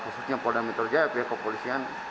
khususnya poda mitra jaya pihak kepolisian